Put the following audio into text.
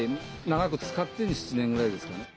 長く使って７年ぐらいですかね。